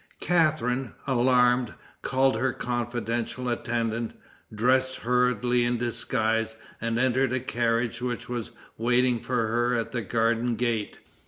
Catharine, alarmed, called her confidential attendant, dressed hurriedly in disguise, and entered a carriage which was waiting for her at the garden gate.